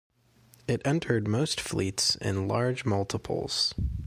It entered most fleets in large multiples.